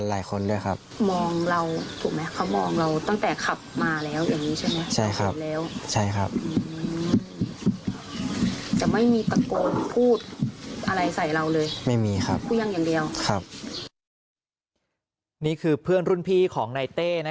เราเลยไม่มีครับอย่างเดียวนี่คือเพื่อนรุ่นพี่ของในเต้นะ